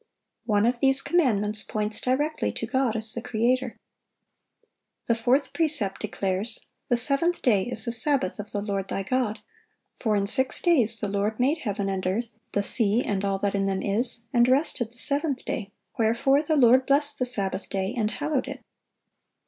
One of these commandments points directly to God as the creator. The fourth precept declares: "The seventh day is the Sabbath of the Lord thy God: ... for in six days the Lord made heaven and earth, the sea, and all that in them is, and rested the seventh day: wherefore the Lord blessed the Sabbath day, and hallowed it."